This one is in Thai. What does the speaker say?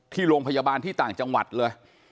ที่โรงพยาบาลที่ต่างจังหวัดเลย